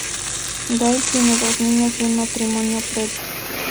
Gail tiene dos niños de un matrimonio previo.